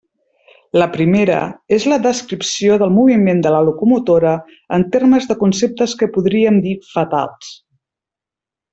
La primera és la descripció del moviment de la locomotora en termes de conceptes que podríem dir «fatals».